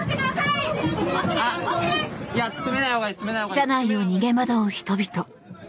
車内を逃げ惑う人々。